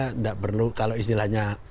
tidak perlu kalau istilahnya